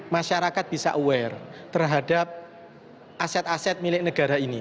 masyarakat bisa aware terhadap aset aset milik negara ini